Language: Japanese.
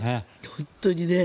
本当にね。